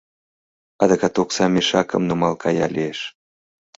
Адакат окса мешакым нумал кая лиеш.